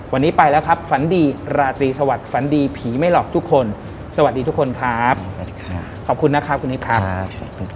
วันนี้ไปแล้วครับฝันดีราตรีสวัสดิฝันดีผีไม่หลอกทุกคนสวัสดีทุกคนครับขอบคุณนะครับคุณนิดครับ